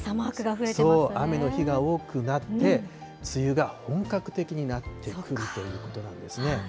そう、雨の日が多くなって、梅雨が本格的になってくるということなんですね。